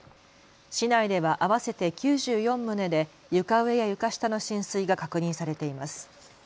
市内では合わせて９４棟で床上や床下の浸水が確認されています。